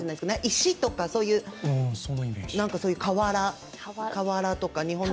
石とか、そういう、かわらとか。